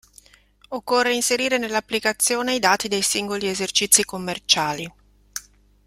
Occorre inserire nell'applicazione i dati dei singoli esercizi commerciali.